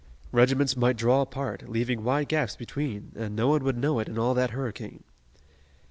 Regiments might draw apart, leaving wide gaps between, and no one would know it in all that hurricane.